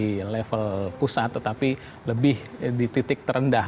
di level pusat tetapi lebih di titik terendah